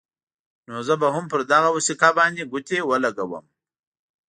نو زه به هم پر دغه وثیقه باندې ګوتې ولګوم.